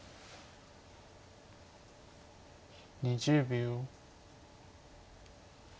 ２０秒。